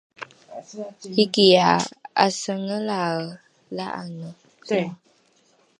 ikia ’asengelae dha’ane